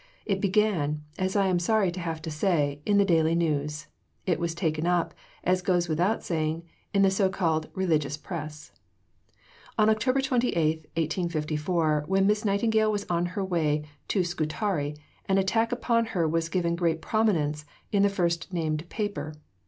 It began, as I am sorry to have to say, in the Daily News; it was taken up, as goes without saying, in the so called "religious press." On October 28, 1854, when Miss Nightingale was on her way to Scutari, an attack upon her was given great prominence in the first named paper.